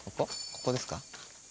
ここですか？